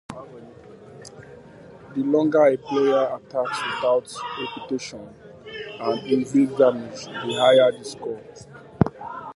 The longer a player attacks without repetition and evades damage, the higher the score.